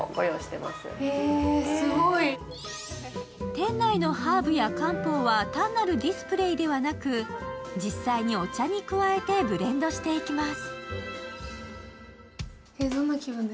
店内のハーブや漢方は単なるディスプレイではなく、実際にお茶に加えてブレンドしていきます。